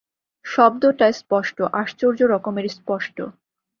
শব্দটা স্পষ্ট, আশ্চর্য রকমে স্পষ্ট।